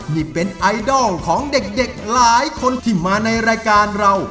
นี่เป็นไอดอลของเด็กหลายคนที่มาในรายการเรา